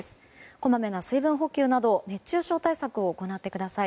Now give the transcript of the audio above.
こまめな水分補給など熱中症対策を行ってください。